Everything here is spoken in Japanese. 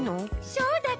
そうだった！